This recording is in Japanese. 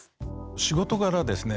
仕事柄ですね